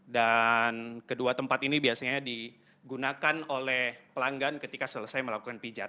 dan kedua tempat ini biasanya digunakan oleh pelanggan ketika selesai melakukan pijat